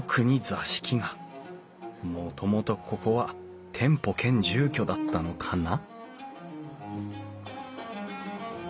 もともとここは店舗兼住居だったのかな？